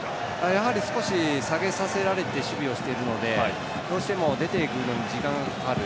やはり少し下げさせられて守備をしているのでどうしても出ていくのに時間がかかる。